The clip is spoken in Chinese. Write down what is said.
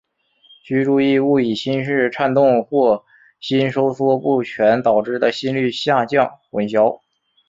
须注意勿与心室颤动或心收缩不全导致的心率下降混淆。